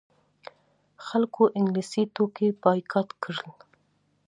خلکو انګلیسي توکي بایکاټ کړل.